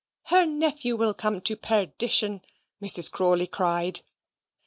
"Her nephew will come to perdition," Mrs. Crawley cried.